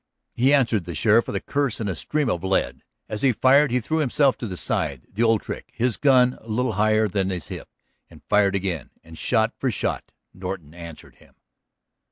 He answered the sheriff with a curse and a stream of lead. As he fired he threw himself to the side, the old trick, his gun little higher than his hip, and fired again. And shot for shot Norton answered him.